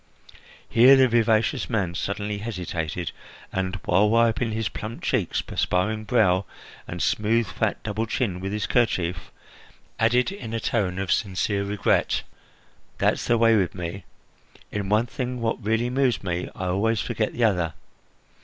Here the vivacious man suddenly hesitated and, while wiping his plump cheeks, perspiring brow, and smooth, fat double chin with his kerchief, added in a tone of sincere regret: "That's the way with me! In one thing which really moves me, I always forget the other.